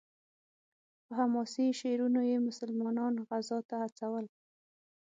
په حماسي شعرونو یې مسلمانان غزا ته هڅول.